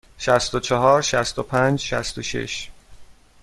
شصت و چهار، شصت و پنج، شصت و شش.